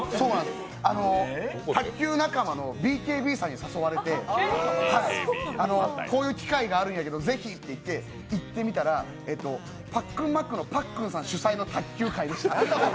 卓球仲間のＢＫＢさんに誘われてこういう機会があるんやけどぜひって言われて行ってみたらパックンマックンのパックンさん主催の卓球大会でした。